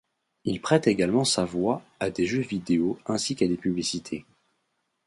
Il prête également sa voix à des jeux vidéo ainsi qu'à des publicités.